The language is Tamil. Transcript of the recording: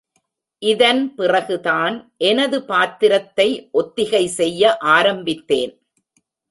இதன் பிறகுதான் எனது பாத்திரத்தை ஒத்திகை செய்ய ஆரம்பித்தேன்.